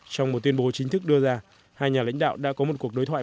trong một tuyên bố chính thức đưa ra hai nhà lãnh đạo đã có một cuộc đối thoại